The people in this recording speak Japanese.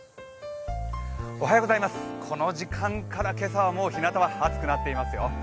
この時間から今朝はひなたは暑くなっていますよ。